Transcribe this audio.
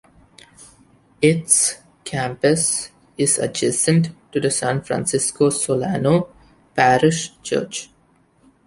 Its campus is adjacent to the San Francisco Solano parish church.